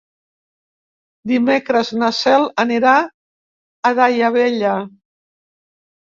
Dimecres na Cel anirà a Daia Vella.